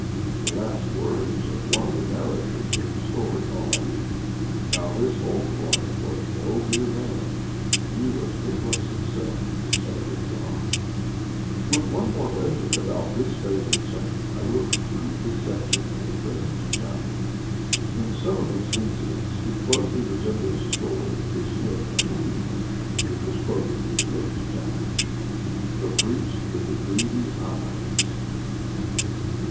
The last words of one of the narrators of the story are, "Now this old one was no mere man. He was Nicholas himself, the saint of God." With one more legend about this favorite saint, I will conclude this section of the present chapter. In some of its incidents it closely resembles the story of "The Smith and the Demon," which was quoted in the first chapter. THE PRIEST WITH THE GREEDY EYES.